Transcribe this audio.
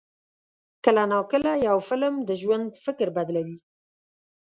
کله ناکله یو فلم د ژوند فکر بدلوي.